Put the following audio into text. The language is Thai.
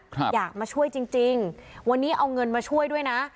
อยากมาช่วยจริงจริงวันนี้เอาเงินมาช่วยด้วยนะ